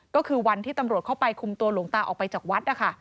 ก็คือวันที่ตำรวจเข้าไปคุมตัวหลวงตาออกไปจากวัดนะคะ